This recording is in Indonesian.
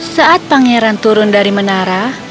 saat pangeran turun dari menara